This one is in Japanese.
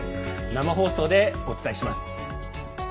生放送でお伝えします。